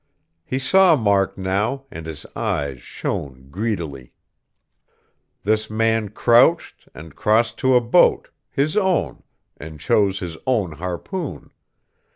He saw Mark now, and his eyes shone greedily. This man crouched, and crossed to a boat his own and chose his own harpoon.